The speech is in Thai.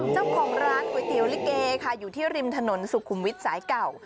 เจ้าของร้านก๋วยเตี๋ยวลิเกค่ะอยู่ที่ริมถนนสุขุมวิทย์สายเก่า